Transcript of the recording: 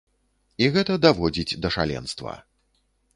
І гэта даводзіць да шаленства.